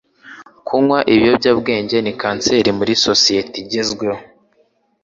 Kunywa ibiyobyabwenge ni kanseri muri sosiyete igezweho.